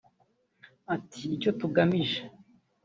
Ati “Icyo tugamije